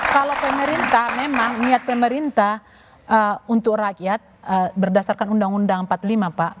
kalau pemerintah memang niat pemerintah untuk rakyat berdasarkan undang undang empat puluh lima pak